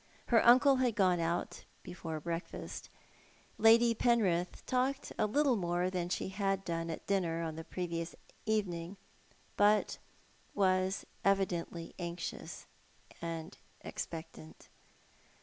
Her uncle had gone out before breakfast. Lady Penrith talked a little more than she had done at dinner on the previous evening, but was evidently anxious and expectant.